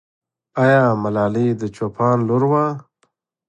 آیا ملالۍ د چوپان لور وه؟